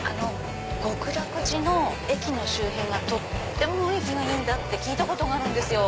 極楽寺の駅の周辺がとっても雰囲気がいいんだって聞いたことがあるんですよ。